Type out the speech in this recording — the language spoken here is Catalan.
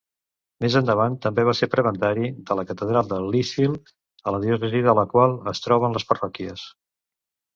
Més endavant també va ser prebendari de la catedral de Lichfield, en la diòcesi de la qual es troben les parròquies.